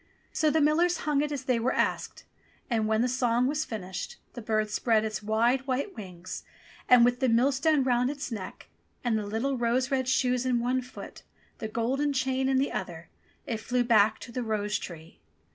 So the millers hung it as they were asked ; and when the song was finished, the bird spread its wide white wings and, with the millstone round its neck and the little rose red shoes in one foot, the golden chain in the other, it flew back to the rose tree.